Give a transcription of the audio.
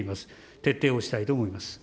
徹底をしたいと思います。